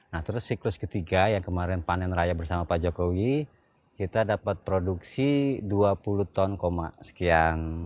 nah terus siklus ketiga yang kemarin panen raya bersama pak jokowi kita dapat produksi dua puluh ton sekian